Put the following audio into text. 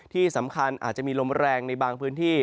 ที่สำคัญอาจจะมีลมแรงในบางพื้นที่